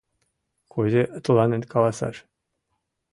— Кузе тыланет каласаш...